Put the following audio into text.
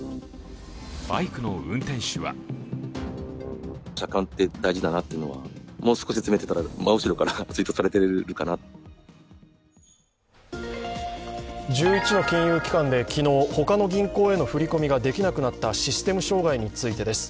バイクの運転手は１１の金融機関で昨日、他の銀行への振り込みができなくなったシステム障害についてです